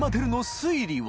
推理は？